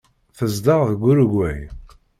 Tezdeɣ deg Urugway.